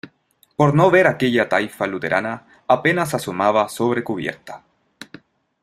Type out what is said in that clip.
por no ver aquella taifa luterana, apenas asomaba sobre cubierta.